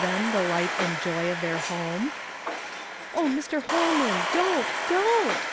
them the light and joy o! their home?" "Oh, Mr, IJolman! don't! DON'T!"